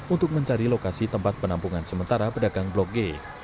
untuk mencari lokasi tempat penampungan sementara pedagang blok g